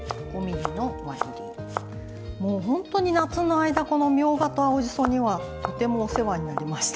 もうほんとに夏の間このみょうがと青じそにはとてもお世話になりました。